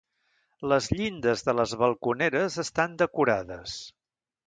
Les llindes de les balconeres estan decorades.